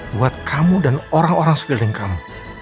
buat kamu dan orang orang sekeliling kamu